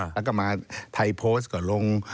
แล้วก็มาไทยโพสต์ก่อนลง